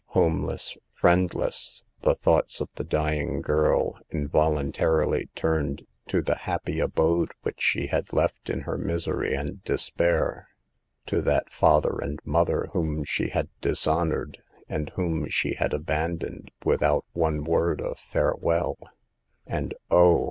Homeless, friendless, the thoughts of the dying girl involuntarily turned to the happy abode which she had left in her misery and despair ; to that father and mother whom she had dishonored, and whom she had abandoned without one word of farewell, and oh